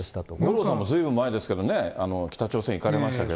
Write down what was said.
五郎さんもずいぶん前ですけどね、北朝鮮行かれましたけど。